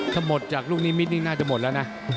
ถ้าหมดจากลูกนิมิตนี่น่าจะหมดแล้วนะ